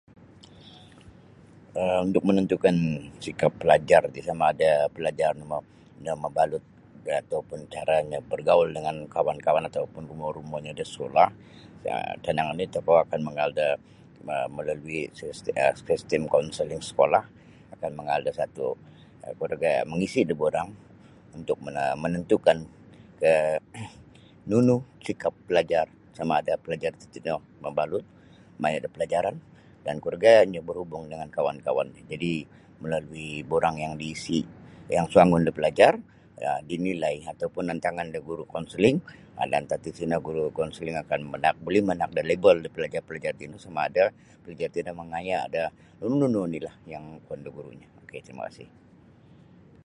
um Untuk menentukan sikap pelajar ti samaada pelajar-pelajar no mabalut da ataupun caranyo bergaul dangan kawan-kawan ataupun rumo-rumonyo da skula sa tanang oni tokou akan mangaal da ma-malalui um sistem kaunseling sekolah akan mangaal da satu kuro gaya mangisi da borang untuk mene-menentukan ke nunu sikap pelajar samada pelajar tatino mabalut maya da pelajaran dan kuro gayanyo berhubung dengan kawan-kawan jadi melalui borang yang diisi yang suangon da palajar dinilai ataupun nantangan da guru kaunseling antad tino guru kaunseling akan manaak da buli manaak da level da palajar-palajar tino samaada plajar tini mangaya da nunu-nuni ni' lah yang kuon da gurunyo ok sekian terima kasih.